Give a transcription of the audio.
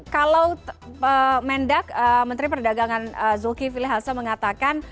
kalau mendak menteri perdagangan zulkifilhasa mengatakan